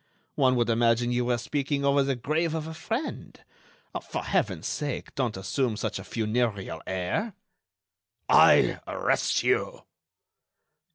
One would imagine you were speaking over the grave of a friend. For Heaven's sake, don't assume such a funereal air." "I arrest you."